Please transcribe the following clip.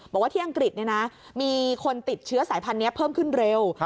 บอกว่าที่อังกฤษมีคนติดเชื้อสายพันธุ์นี้เพิ่มขึ้นเร็ว